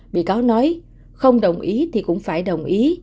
bị cáo nói không đồng ý thì cũng phải đồng ý